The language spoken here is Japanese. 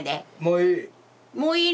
もういい。